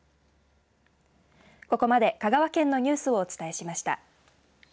ここまで香川県のニュースをお伝えしました。